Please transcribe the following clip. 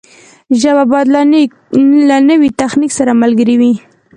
ژبه باید له نوي تخنیک سره ملګرې وي.